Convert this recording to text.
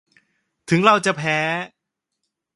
ถึงเราจะแพ้